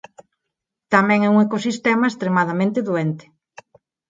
Tamén é un ecosistema extremadamente doente.